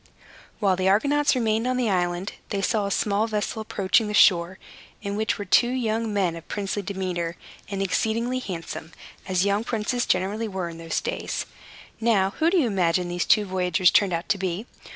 While the Argonauts remained on this island, they saw a small vessel approaching the shore, in which were two young men of princely demeanor, and exceedingly handsome, as young princes generally were, in those days. Now, who do you imagine these two voyagers turned out to be?